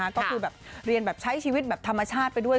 ก็คือแบบเรียนแบบใช้ชีวิตแบบธรรมชาติไปด้วย